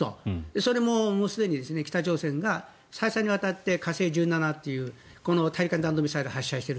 それもすでに北朝鮮が再三にわたって火星１７というこの大陸間弾道ミサイルを発射している。